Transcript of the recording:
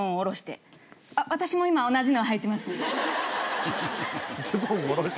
私も今同じのはいてます。